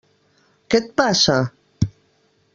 Què et passa?